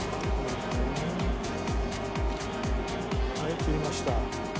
はい切りました。